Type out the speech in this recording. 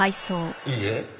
いいえ。